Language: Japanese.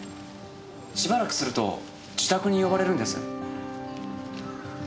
しばらくすると自宅に呼ばれるんです。